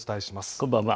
こんばんは。